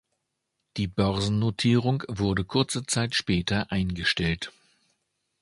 Die Börsennotierung wurde kurze Zeit später eingestellt.